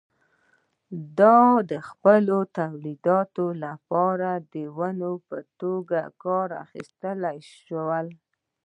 دا د خپلو تولیداتو لپاره د ونې په توګه کار واخیستل شول.